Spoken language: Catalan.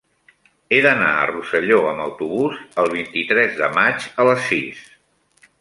He d'anar a Rosselló amb autobús el vint-i-tres de maig a les sis.